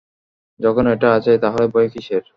যখন এটা আছেই, তাহলে ভয় কিসের?